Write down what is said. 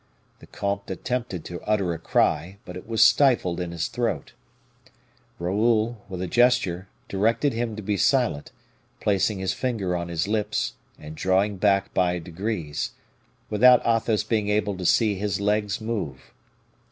The comte attempted to utter a cry, but it was stifled in his throat. Raoul, with a gesture, directed him to be silent, placing his finger on his lips and drawing back by degrees, without Athos being able to see his legs move.